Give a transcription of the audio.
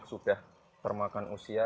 kita sudah termakan usia